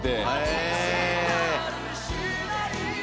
へえ！